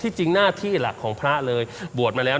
จริงหน้าที่หลักของพระเลยบวชมาแล้ว